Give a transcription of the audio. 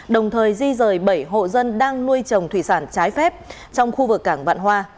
đồng thời di rời bảy hộ dân đang nuôi trồng thủy sản trái phép trong khu vực cảng vạn hoa